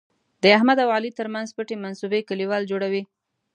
د احمد او علي تر منځ پټې منصوبې کلیوال جوړوي.